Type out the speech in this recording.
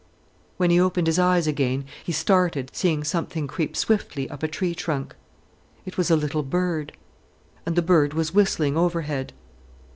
When he opened his eyes again, he started, seeing something creeping swiftly up a tree trunk. It was a little bird. And the bird was whistling overhead.